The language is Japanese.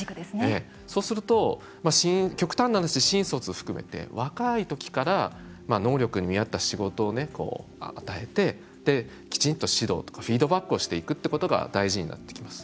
そうすると極端な話新卒を含めて、若い時から能力に見合った仕事を与えてきちんと指導とかフィードバックをしていくってことが大事になってきます。